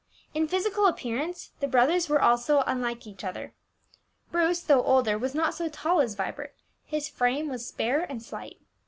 In physical appearance the brothers were also unlike each other. Bruce, though older, was not so tall as Vibert; his frame was spare and slight.